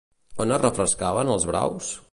On es refrescaven els braus?